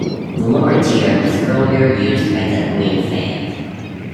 The lower tier was earlier used by the away fans.